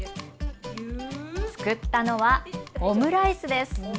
作ったのはオムライスです。